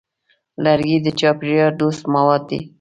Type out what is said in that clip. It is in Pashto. لرګی د چاپېریال دوست مواد دی.